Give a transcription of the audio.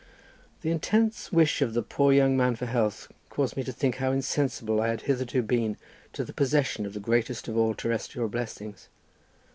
The intense wish of the poor young man for health caused me to think how insensible I had hitherto been to the possession of the greatest of all terrestrial blessings.